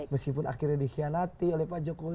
meskipun akhirnya dikhianati oleh pak jokowi